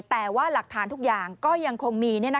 แต่ว่าหลักฐานทุกอย่างก็ยังคงมี